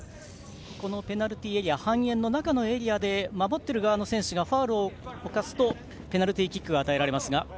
ペナルティーエリア半円のエリアで守っている側の選手がファウルを犯すとペナルティーキックが与えられますが。